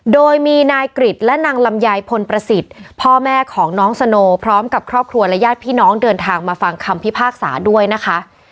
โดยมีนายกริจและนางลำไยพลประสิทธิ์พ่อแม่ของน้องสโนพร้อมกับครอบครัวและญาติพี่น้องเดินทางมาฟังคำพิพากษาด้วยนะคะ